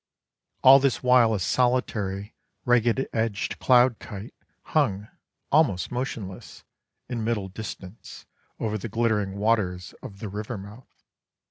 All this while a solitary, ragged edged cloud kite hung, almost motionless, in middle distance, over the glittering waters of the river mouth.